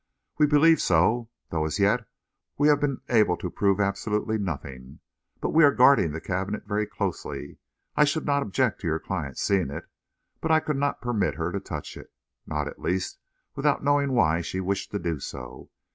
"We believe so; though as yet we have been able to prove absolutely nothing. But we are guarding the cabinet very closely. I should not object to your client seeing it, but I could not permit her to touch it not, at least, without knowing why she wished to do so.